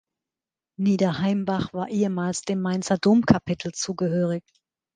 Nieder-Heimbach war ehemals dem Mainzer Domkapitel zugehörig.